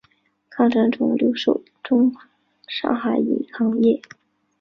抗战中留守上海银行业。